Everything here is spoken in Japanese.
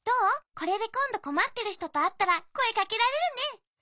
これでこんどこまってるひととあったらこえかけられるね。